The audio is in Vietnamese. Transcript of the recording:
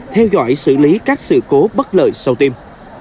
theo dõi xử lý các sự cố bất lợi sau tiêm